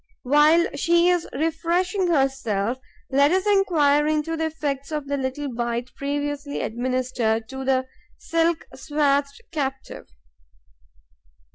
While she is refreshing herself, let us enquire into the effects of the little bite previously administered to the silk swathed captive.